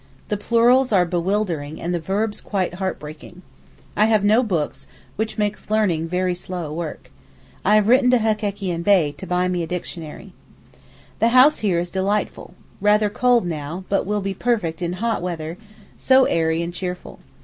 The plurals are bewildering and the verbs quite heart breaking. I have no books, which makes learning very slow work. I have written to Hekekian Bey to buy me a dictionary. The house here is delightful—rather cold now, but will be perfect in hot weather—so airy and cheerful.